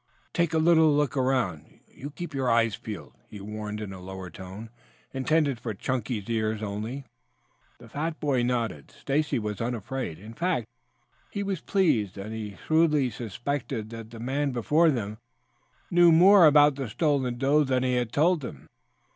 "Take a little look around. Keep your eyes peeled," he warned in a lower tone, intended for Chunky's ears alone. The fat boy nodded. Stacy was unafraid. In fact he was pleased and he shrewdly suspected that the man before them knew more about the stolen doe than he had told them.